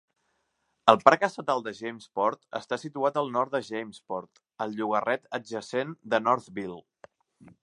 El Parc Estatal de Jamesport està situat al nord de Jamesport, al llogarret adjacent de Northville.